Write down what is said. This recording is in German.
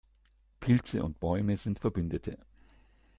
Pilze und Bäume sind Verbündete.